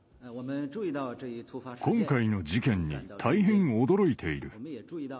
今回の事件に大変驚いている。